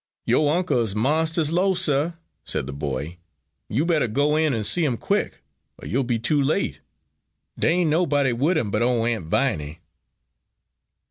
"Yo' uncle is monst'ous low, sir," said the boy. "You bettah go in an' see 'im quick, er you'll be too late. Dey ain' nobody wid 'im but ole Aun' Viney."